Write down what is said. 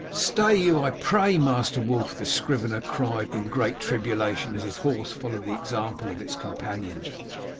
"Stay you, I pray, Master Wulf," the scrivener cried in great tribulation as his horse followed the example of its companion.